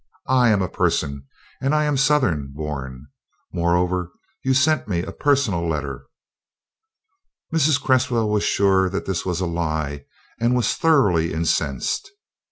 I am a person and I am Southern born. Moreover, you sent me a personal letter." Mrs. Cresswell was sure that this was a lie and was thoroughly incensed.